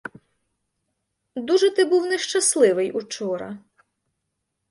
Дуже ти був нещасливий учора.